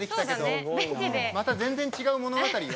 また全然違う物語よ。